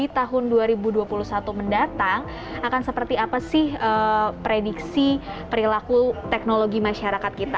tahun dua ribu dua puluh satu mendatang akan seperti apa sih prediksi perilaku teknologi masyarakat kita